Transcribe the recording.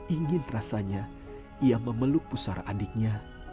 ingin rasanya ia memeluk pusara adiknya